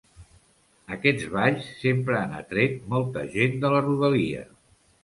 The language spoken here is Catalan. Aquests balls sempre han atret molta gent de la rodalia.